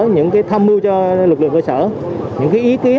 những cái tham mưu cho kỹ năng lực lượng cơ sở những cái ý kiến